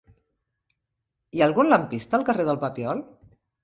Hi ha algun lampista al carrer del Papiol?